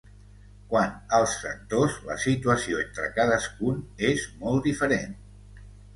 Quant als sectors, la situació entre cadascun és molt diferent.